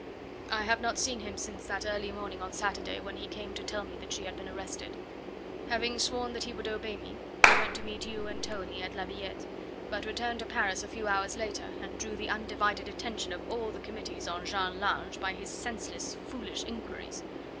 I have not seen him since that early morning on Saturday when he came to tell me that she had been arrested. Having sworn that he would obey me, he went to meet you and Tony at La Villette, but returned to Paris a few hours later, and drew the undivided attention of all the committees on Jeanne Lange by his senseless, foolish inquiries.